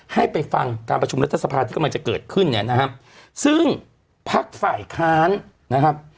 ให้ไปฟังการประชุมรัฐสภาที่กำลังจะเกิดขึ้นเนี่ยนะครับซึ่งพักฝ่ายค้านนะครับ